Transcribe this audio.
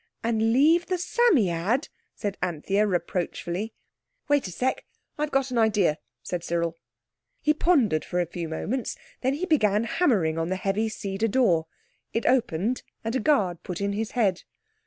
"And leave the Psammead?" said Anthea reproachfully. "Wait a sec. I've got an idea," said Cyril. He pondered for a few moments. Then he began hammering on the heavy cedar door. It opened, and a guard put in his head.